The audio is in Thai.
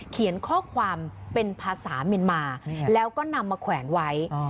เขียนข้อความเป็นภาษาเมียนมาแล้วก็นำมาแขวนไว้